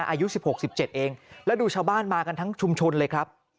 อายุ๑๖๑๗เองแล้วดูชาวบ้านมากันทั้งชุมชนเลยครับ